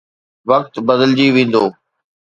وقت بدلجي ويندو.